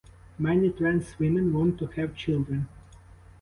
Many trans women want to have children.